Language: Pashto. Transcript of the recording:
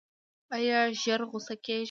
ایا ژر غوسه کیږئ؟